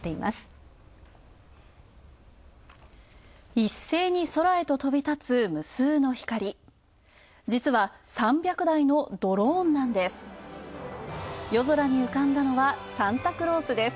一斉に空へと飛び立つ無数の光、実は３００台のドローンなんです。